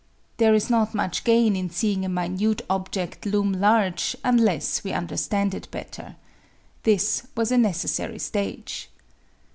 There is not much gain in seeing a minute object loom large unless we understand it better. This was a necessary stage.